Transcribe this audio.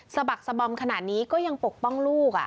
บักสะบอมขนาดนี้ก็ยังปกป้องลูก